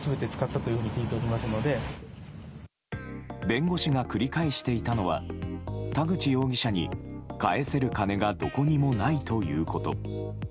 弁護士が繰り返していたのは田口容疑者に返せる金がどこにもないということ。